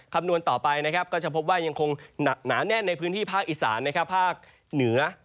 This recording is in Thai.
คำนวณต่อไปนะครับก็จะพบว่ายังคงหนาแน่นในพื้นที่ภาคอีสานภาคเหนือ